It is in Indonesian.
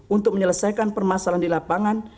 untuk menyelesaikan permasalahan di lapangan